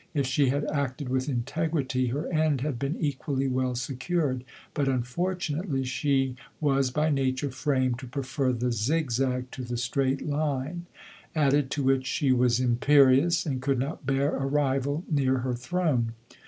If she had acted with integrity, her end had been equally well secured ; but unfortunately, she was by nature framed to prefer the zig zag to the straight line; added to which, she was im perious, and could not bear a rival near her throne.